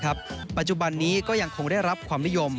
กันฝึกระทึกทุกมุม